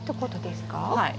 はい。